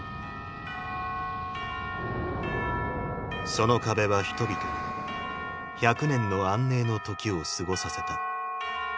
その壁は人々に１００年の安寧の時を過ごさせた。